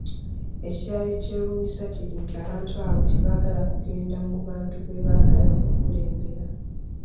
Ekirala ekyewuunyisa kiri nti abantu abo tebagala kugenda mu bantu bebaagala okukulembera.